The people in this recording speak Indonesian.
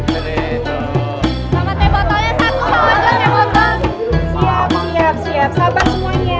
siap siap siap sabar semuanya